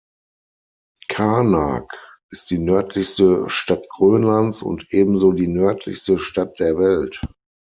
Qaanaaq ist die nördlichste Stadt Grönlands und ebenso die nördlichste Stadt der Welt.